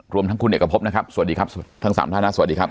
รวมทั้งคุณเอกพบนะครับสวัสดีครับทั้งสามท่านนะสวัสดีครับ